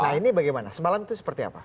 nah ini bagaimana semalam itu seperti apa